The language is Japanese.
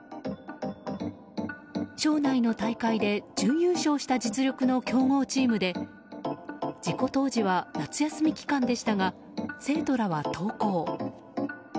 省内の大会で準優勝した実力の強豪チームで事故当時は夏休み期間でしたが生徒らは登校。